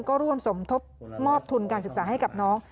ก็ร่วมสมทบมอบทุนการศึกษาให้กับน้อง